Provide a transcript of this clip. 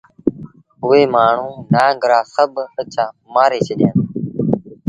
اُئي مآڻهوٚٚݩ نآݩگ رآ سڀ ٻچآ مآري ڇڏيآݩدي